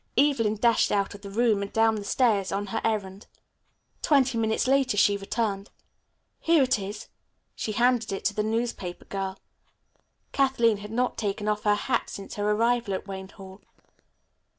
Evelyn dashed out of the room and down the stairs on her errand. Twenty minutes later she returned. "Here it is," she handed it to the newspaper girl. Kathleen had not taken off her hat since her arrival at Wayne Hall.